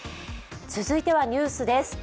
続いてはニュースです。